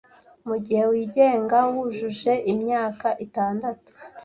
Mugihe wigenga, wujuje imyaka itandatu,